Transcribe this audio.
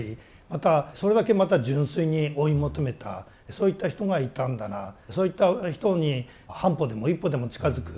またそれだけまた純粋に追い求めたそういった人がいたんだなそういった人に半歩でも一歩でも近づく。